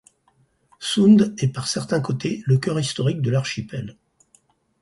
Sund est par certains côtés le cœur historique de l'archipel.